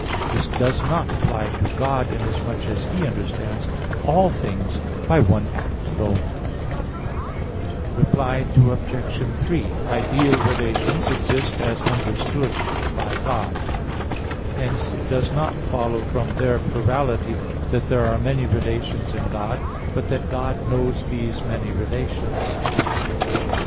This does not apply to God, inasmuch as He understands all things by one act alone. Reply Obj. 3: Ideal relations exist as understood by God. Hence it does not follow from their plurality that there are many relations in God; but that God knows these many relations.